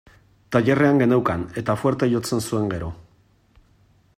Tailerrean geneukan, eta fuerte jotzen zuen, gero.